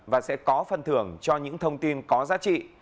và sẽ có phần thưởng cho những thông tin có giá trị